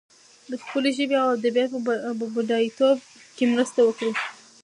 د خپلې ژبې او ادبياتو په بډايتوب کې مرسته وکړي.